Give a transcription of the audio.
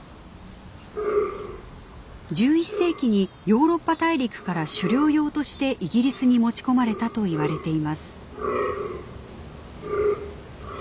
１１世紀にヨーロッパ大陸から狩猟用としてイギリスに持ち込まれたと言われています。